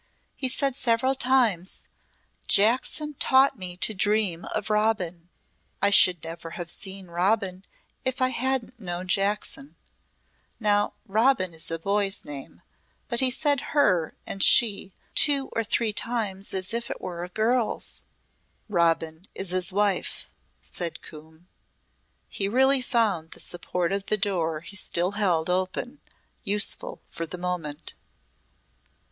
He said several times 'Jackson taught me to dream of Robin. I should never have seen Robin if I hadn't known Jackson.' Now 'Robin' is a boy's name but he said 'her' and 'she' two or three times as if it were a girl's." "Robin is his wife," said Coombe. He really found the support of the door he still held open, useful for the moment.